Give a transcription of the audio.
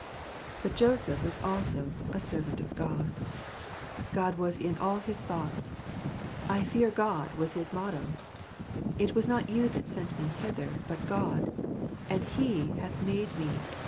But Joseph was also a servant of God. God was in all his thoughts. " I fear God," was his motto. " It was not you that sent me hither, but God ; and He hath made me